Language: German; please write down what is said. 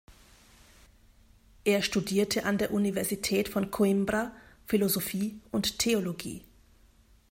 Er studierte an der Universität von Coimbra Philosophie und Theologie.